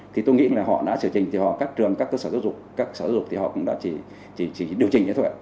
thì tôi nghĩ là họ đã điều chỉnh thì các trường các cơ sở giáo dục các cơ sở giáo dục thì họ cũng đã chỉ điều chỉnh thế thôi ạ